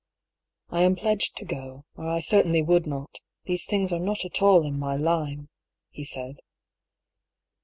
"I am pledged to go, or I certainly would not These things are not at all in my line," he said.